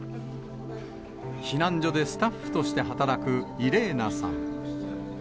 避難所でスタッフとして働くイレーナさん。